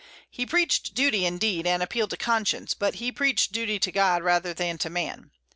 He preached duty, indeed, and appealed to conscience; but he preached duty to God rather than to man.